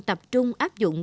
tập trung áp dụng